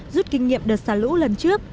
giúp kinh nghiệm đợt xả lũ lần trước